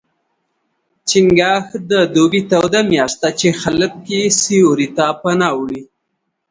چنګاښ د دوبي توده میاشت ده، چې خلک سیوري ته پناه وړي.